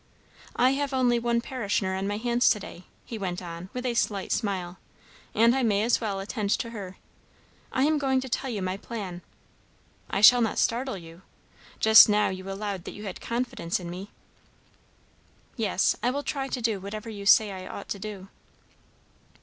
I have only one parishioner on my hands to day," he went on with a slight smile, "and I may as well attend to her. I am going to tell you my plan. I shall not startle you? Just now you allowed that you had confidence in me?" "Yes. I will try to do whatever you say I ought to do."